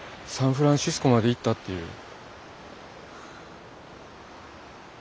サンフランシスコまで行ったっていう。